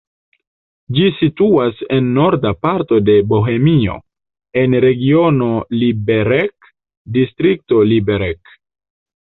Ĝi situas en norda parto de Bohemio, en regiono Liberec, distrikto Liberec.